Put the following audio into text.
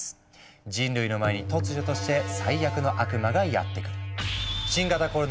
人類の前に突如として最悪の悪魔がやって来る。